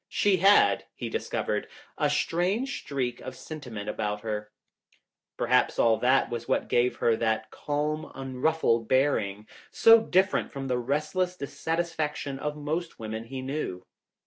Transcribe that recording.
She had, he discovered, a strange streak of sentiment about it. Perhaps all that was what gave her that calm, unruffled bearing, so different from the restless dissatisfaction of most women he knew.